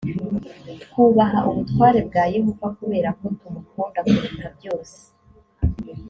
twubaha ubutware bwa yehova kubera ko tumukunda kuruta byose